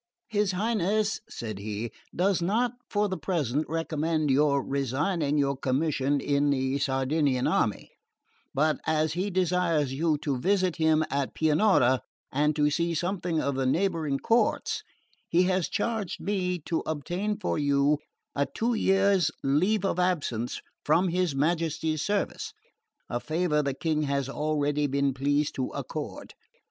"His Highness," said he, "does not for the present recommend your resigning your commission in the Sardinian army; but as he desires you to visit him at Pianura, and to see something of the neighbouring courts, he has charged me to obtain for you a two years' leave of absence from his Majesty's service: a favour the King has already been pleased to accord.